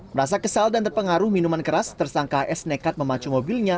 merasa kesal dan terpengaruh minuman keras tersangka hs nekat memacu mobilnya